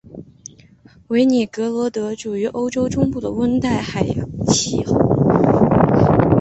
韦尼格罗德处于欧洲中部的温带气候区。